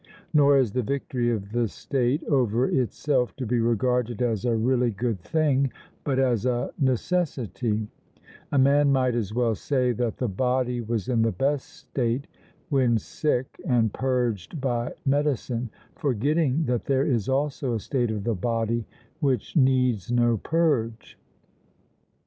Nor is the victory of the state over itself to be regarded as a really good thing, but as a necessity; a man might as well say that the body was in the best state when sick and purged by medicine, forgetting that there is also a state of the body which needs no purge.